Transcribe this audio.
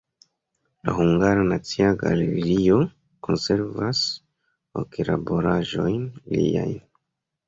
La Hungara Nacia Galerio konservas ok laboraĵojn liajn.